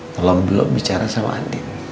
tolong belum bicara sama andin